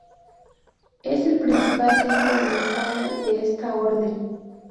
Es el principal templo en España de esta Orden.